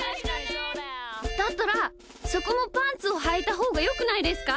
だったらそこもパンツをはいたほうがよくないですか？